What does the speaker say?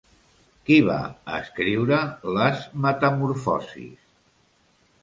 Qui va escriure Les Metamorfosis?